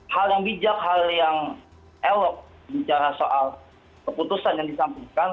hal yang bijak hal yang elok bicara soal keputusan yang disampaikan